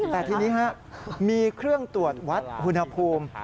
แต่ทีนี้มีเครื่องตรวจวัดอุณหภูมิ